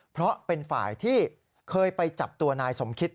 เพราะเป็นฝ่ายที่เคยไปจับตัวนายสมคิต